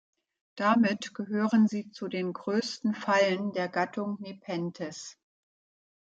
Damit gehören sie zu den größten Fallen der Gattung Nepenthes.